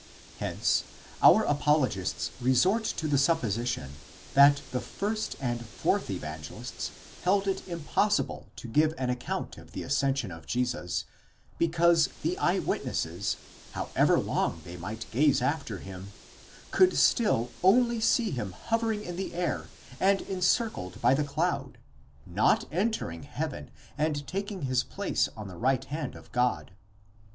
Hence our apologists resort to the supposition that the first and fourth Evangelists held it impossible to give an account of the ascension of Jesus, because the eyewitnesses, however long they might gaze after him, could still only see him hovering in the air and encircled by the cloud, not entering heaven and taking his place on the right hand of God.?